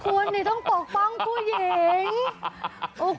คุณนี่ต้องปกป้องผู้หญิง